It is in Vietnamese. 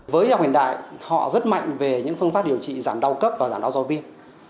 với y học hiện đại họ rất mạnh về những phương pháp điều trị giảm đau cấp và giảm đau do viêm